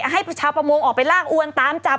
ให้ชาวประมงออกไปลากอวนตามจับ